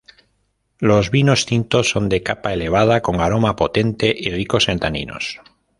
Los vinos tintos son de capa elevada, con aroma potente y ricos en taninos.